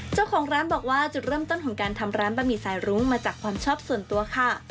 เจ้าของร้านบอกว่าจุดเริ่มต้นของการทำร้านบะหมี่สายรุ้งมาจากความชอบส่วนตัวค่ะ